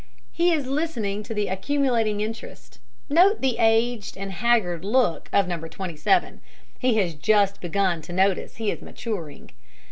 He is listening to the accumulating interest. Note the aged and haggard look of No. 27. He has just begun to notice that he is maturing.